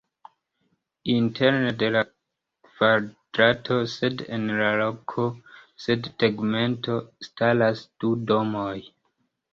Interne de la kvadrato, sed en la loko sen tegmento, staras du domoj.